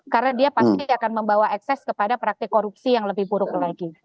karena dia pasti akan membawa ekses kepada praktik korupsi yang lebih buruk lagi